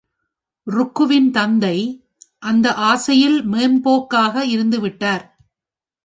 ருக்குவின் தந்தை அந்த ஆசையில் மேம்போக்காக இருந்துவிட்டார்.